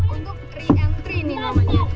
untuk reentry nih namanya